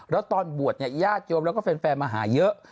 แล้วตอนบวชเนี่ยญาติโยมแล้วก็แฟนมาหาเยอะ